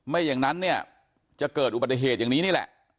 อย่างนั้นเนี่ยจะเกิดอุบัติเหตุอย่างนี้นี่แหละ